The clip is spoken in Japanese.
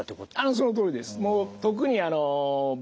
そのとおりです。